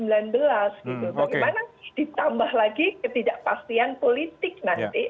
bagaimana ditambah lagi ketidakpastian politik nanti